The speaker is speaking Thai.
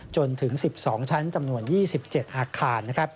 จนถึง๑๒ชั้นจำนวน๒๗อาคาร